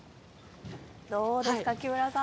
どうですか、木村さん。